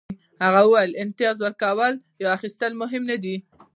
هغه وویل د امتیاز ورکول یا اخیستل مهمه نه ده